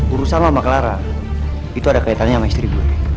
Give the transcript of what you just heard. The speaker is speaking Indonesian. urusan sama clara itu ada kaitannya sama istri